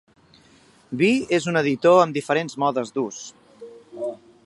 Vi és un editor amb diferents modes d'ús.